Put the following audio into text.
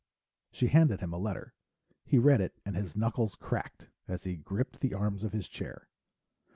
She handed him a letter. He read it and his knuckles cracked as he gripped the arms of his chair.